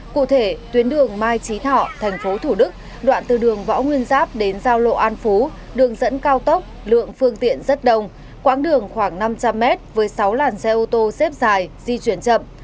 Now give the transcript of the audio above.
cụ thể tuyến đường mai trí thọ thành phố thủ đức đoạn từ đường võ nguyên giáp đến giao lộ an phú đường dẫn cao tốc lượng phương tiện rất đông quãng đường khoảng năm trăm linh m với sáu làn xe ô tô xếp dài di chuyển chậm